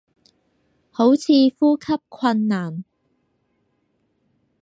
好似呼吸困難